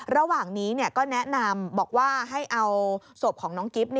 ระหว่างนี้ก็แนะนำบอกว่าให้เอาศพของน้องกิ๊บ